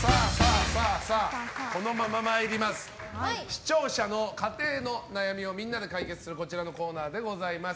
視聴者の家庭の悩みをみんなで解決するこちらのコーナーでございます。